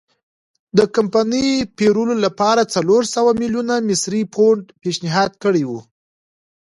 د کمپنۍ پېرلو لپاره څلور سوه میلیونه مصري پونډ پېشنهاد کړي وو.